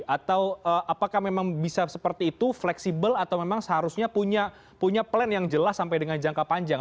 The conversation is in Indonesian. atau apakah memang bisa seperti itu fleksibel atau memang seharusnya punya plan yang jelas sampai dengan jangka panjang